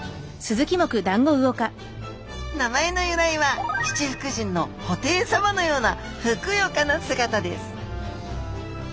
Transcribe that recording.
名前の由来は七福神の布袋さまのようなふくよかな姿です。